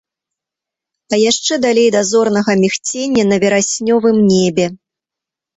А яшчэ далей да зорнага мігцення на вераснёвым небе.